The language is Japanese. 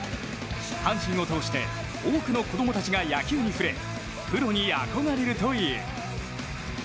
阪神を通して多くの子供たちが野球に触れプロに憧れるという。